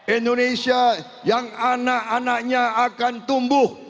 indonesia yang anak anaknya akan tumbuh